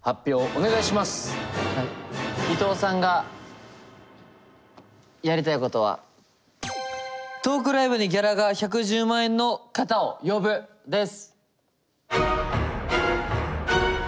伊藤さんがやりたいことは「トークライブにギャラが１１０万円の方を呼ぶ」です。